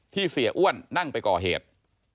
เสียอ้วนนั่งไปก่อเหตุ